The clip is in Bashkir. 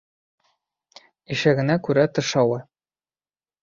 Ишәгенә күрә тышауы.